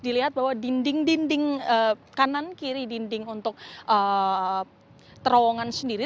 dilihat bahwa dinding dinding kanan kiri dinding untuk terowongan sendiri